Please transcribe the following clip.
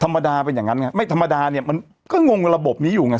ธรรมดาเป็นอย่างนั้นไงไม่ธรรมดาเนี่ยมันก็งงระบบนี้อยู่ไง